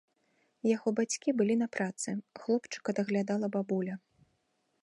Яго бацькі былі на працы, хлопчыка даглядала бабуля.